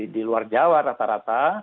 di luar jawa rata rata